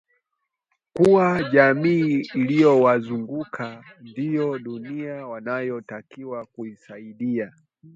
kuwa jamii inayowazunguka ndio dunia wanayotakiwa kuisaidia